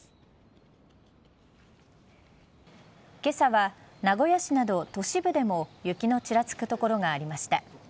けさは名古屋市など都市部でも雪のちらつく所がありました。